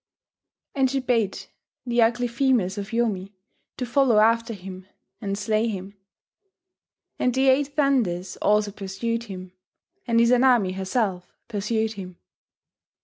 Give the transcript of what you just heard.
And she bade the Ugly Females of Yomi to follow after him, and slay him; and the eight Thunders also pursued him, and Izanami herself pursued him